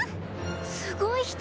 すごい人。